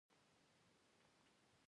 اخبار یې د کور غم په نامه و.